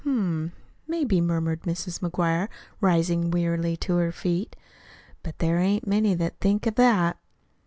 "Hm m, maybe," murmured Mrs. McGuire, rising wearily to her feet; "but there ain't many that thinks of that."